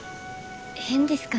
変ですかね。